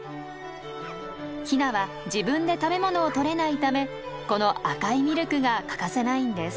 ヒナは自分で食べ物を取れないためこの赤いミルクが欠かせないんです。